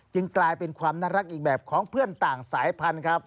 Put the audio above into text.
กลายเป็นความน่ารักอีกแบบของเพื่อนต่างสายพันธุ์ครับ